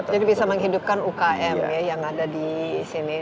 jadi bisa menghidupkan ukm yang ada di sini